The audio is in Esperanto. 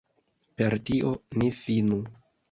Per tio ni finu.